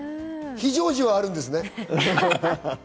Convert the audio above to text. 非常時はあるんですね。